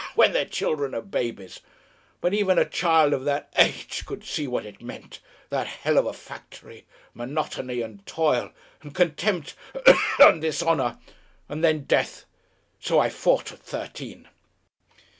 when their children are babies. But even a child of that age could see what it meant, that Hell of a factory! Monotony and toil and contempt and dishonour! And then death. So I fought at thirteen!"